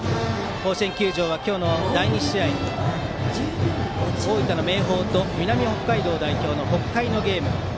甲子園球場は今日の第２試合大分の明豊と南北海道代表の北海のゲーム。